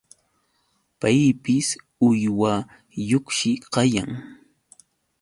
Paypis uywayuqshi kayan.